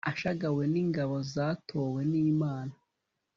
ashagawe n'ingabo zatowe n'imana